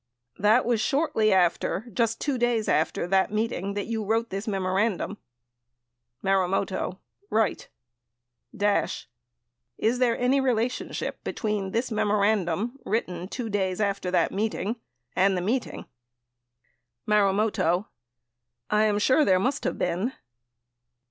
That was shortly after — just 2 days after that meet ing that you wrote this memorandum ? Marumoto. Right. Dash. Is there any relationship between this memorandum written 2 days after that meeting and the meeting? Marumoto. I am sure there must have been.